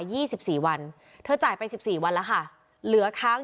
สิบสี่วันเธอจ่ายไปสิบสี่วันแล้วค่ะเหลือค้าง